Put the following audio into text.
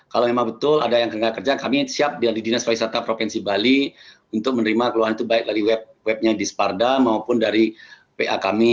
kalau memang betul ada yang kerja kami siap dari dinas pariwisata provinsi bali untuk menerima keluhan itu baik dari webnya di sparda maupun dari pa kami